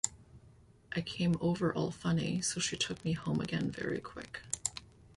I came over all funny, so she took me home again very quick.